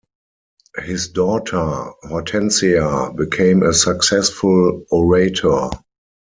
His daughter Hortensia became a successful orator.